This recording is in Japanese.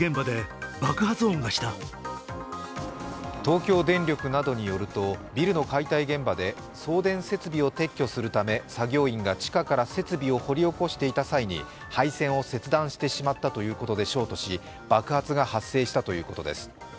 東京電力などによると、ビルの解体現場で送電設備を撤去するため作業員が地下から設備を掘り起こしていた際に配線を切断してしまったことでショートし、爆発が発生したということです。